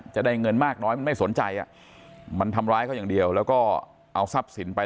จะได้เงินมากน้อยมันไม่สนใจอ่ะมันทำร้ายเขาอย่างเดียวแล้วก็เอาทรัพย์สินไป